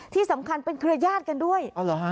ที่สำคัญเป็นเครือญาติกันด้วย